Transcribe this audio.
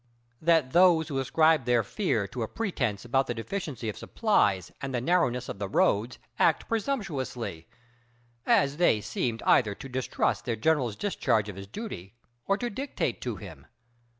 That those who ascribed their fear to a pretense about the deficiency of supplies and the narrowness of the roads acted presumptuously, as they seemed either to distrust their general's discharge of his duty or to dictate to him.